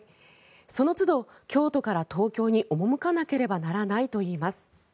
その都度、京都から東京に赴かなければならないといいます。